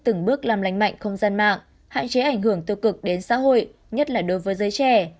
từng bước làm lành mạnh không gian mạng hạn chế ảnh hưởng tiêu cực đến xã hội nhất là đối với giới trẻ